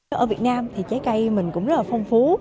ở việt nam thì trái cây mình cũng rất là phong phú